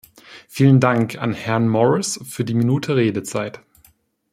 Vielen Dank an Herrn Morris für die Minute Redezeit.